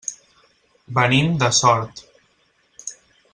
Venim de Sort.